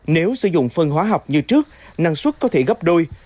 nếu sử dụng phân hóa học như trước năng suất có thể gấp đôi